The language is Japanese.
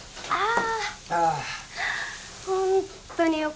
ああ。